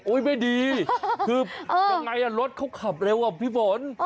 ไม่ดีคือยังไงรถเขาขับเร็วอ่ะพี่ฝน